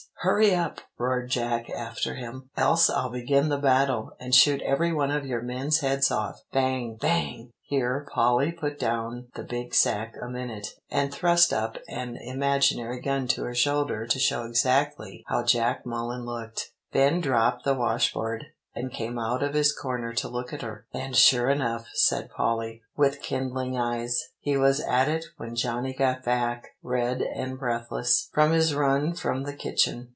"'Hurry up!' roared Jack after him; 'else I'll begin the battle, and shoot every one of your men's heads off. Bang Bang!'" Here Polly put down the big sack a minute, and thrust up an imaginary gun to her shoulder to show exactly how Jack Mullen looked. Ben dropped the washboard, and came out of his corner to look at her. "And sure enough," said Polly, with kindling eyes, "he was at it when Johnny got back, red and breathless, from his run from the kitchen.